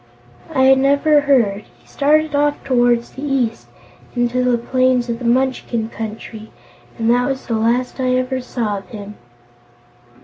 "I never heard. He started off toward the east, into the plains of the Munchkin Country, and that was the last I ever saw of him."